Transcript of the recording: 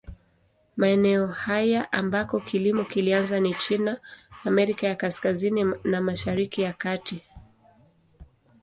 Maeneo haya ambako kilimo kilianza ni China, Amerika ya Kaskazini na Mashariki ya Kati.